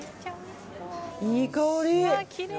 いい香り。